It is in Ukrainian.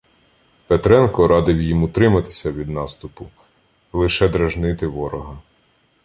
Петренко радив їм утриматися від наступу, лише дражнити ворога.